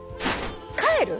帰る？